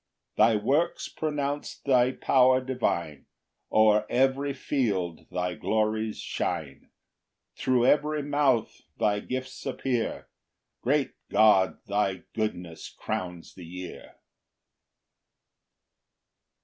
12 Thy works pronounce thy power divine, O'er every field thy glories shine; Thro' every month thy gifts appear; Great God! thy goodness crowns the year.